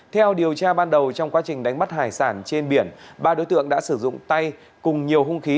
theo điều tra ban đầu trong quá trình đánh bắt hải sản trên biển ba đối tượng đã sử dụng tay cùng nhiều hung khí